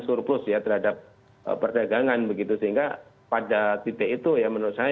surplus ya terhadap perdagangan begitu sehingga pada titik itu ya menurut saya